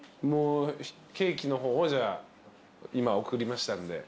ケーキの方をじゃあ今送りましたんで。